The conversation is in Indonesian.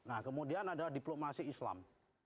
nah kemudian ada diplomasi islam